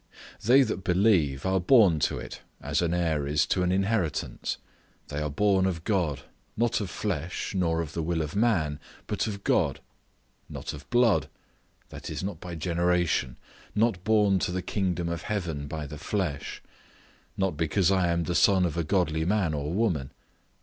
They that believe are born to it, as an heir is to an inheritance; they are born of God; not of flesh, nor of the will of man, but of God; not of blood—that is, not by generation; not born to the kingdom of heaven by the flesh; not because I am the son of a godly man or woman.